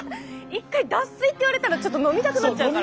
１回脱水って言われたらちょっと飲みたくなっちゃうから。